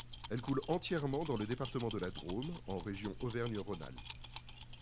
Elle coule entièrement dans le département de la Drôme, en région Auvergne-Rhône-Alpes.